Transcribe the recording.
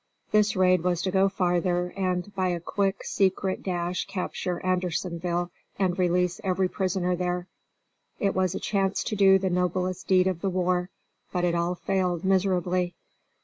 This raid was to go farther, and, by a quick, secret dash capture Andersonville and release every prisoner there. It was a chance to do the noblest deed of the war, but it all failed miserably.